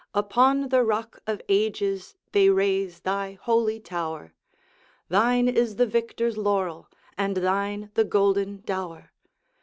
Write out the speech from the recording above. Upon the Rock of Ages They raise thy holy Tower. Thine is the Victor's laurel, And thine the golden dower.